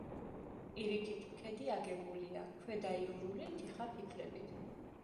პირიქითი ქედი აგებულია ქვედაიურული თიხაფიქლებით.